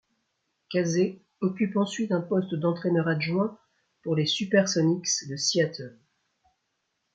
Casey occupe ensuite un poste d'entraîneur adjoint pour les SuperSonics de Seattle.